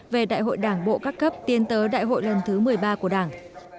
về đại hội đảng bộ các cấp tiến tới đại hội lần thứ một mươi ba của đảng